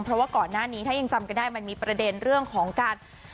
เพราะว่าก่อนหน้านี้ถ้ายังจำกันได้มันมีประเด็นเรื่องของการ